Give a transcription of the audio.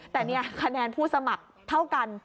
แต่นี่คะแนนผู้สมัครเท่ากัน